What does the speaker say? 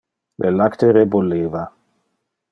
Le lacte rebulliva.